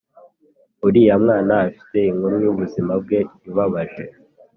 Uriya mwana afite inkuru yubuzima bwe ibabaje